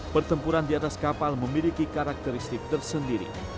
pertempuran di atas kapal memiliki karakteristik tersendiri